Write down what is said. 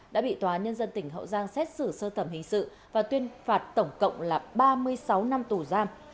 đã bị tòa nhân dân tỉnh hậu giang xét xử sơ thẩm hình sự và tuyên phạt tổng cộng là ba mươi sáu năm tù giam